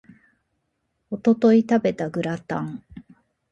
一昨日食べたグラタン